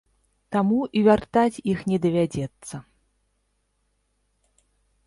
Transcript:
Таму і вяртаць іх не давядзецца.